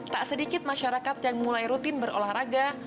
tak sedikit masyarakat yang mulai rutin berolahraga